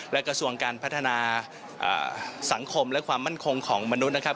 และกระทรวงการพัฒนาสังคมและความมั่นคงของมนุษย์นะครับ